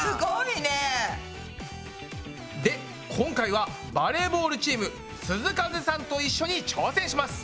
で今回はバレーボールチーム「涼風」さんと一緒に挑戦します。